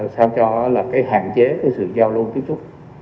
sao cho là cái hạn chế cái sự giao lưu tiếp xúc